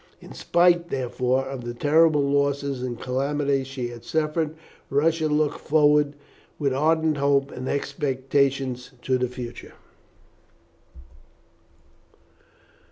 In spite, therefore, of the terrible losses and calamities she had suffered, Russia looked forward with ardent hope and expectations to the future.